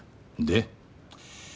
で？